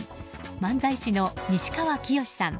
漫才師の西川きよしさん